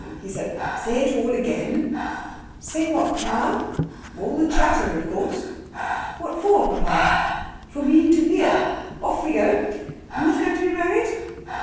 said he. "Say it all again." "Say what, papa?" "All the chatter, of course." "What for, papa?" "For me to hear. Off we go! Who's going to be married?"